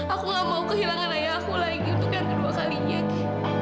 aku gak mau kehilangan ayah aku lagi untuk yang kedua kalinya